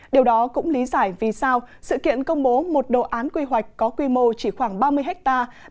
điều đó cũng lý giải vì sao sự kiện công bố một đồ án quy hoạch có quy mô chỉ khoảng ba mươi hectare